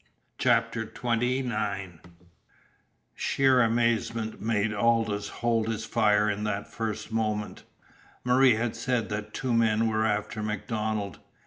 CHAPTER XXIX Sheer amazement made Aldous hold his fire in that first moment. Marie had said that two men were after MacDonald.